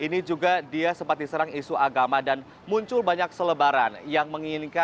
nah ini juga menunjukkan bahwa